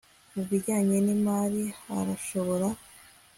mu bijyanye n'imari arashobora